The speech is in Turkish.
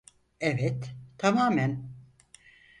Evet, tamamen.